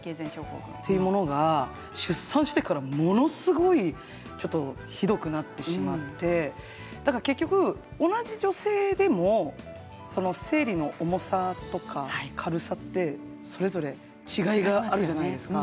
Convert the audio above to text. そういうものが出産してからものすごいひどくなってしまってだから結局、同じ女性でも生理の重さとか軽さってそれぞれ違いがあるじゃないですか。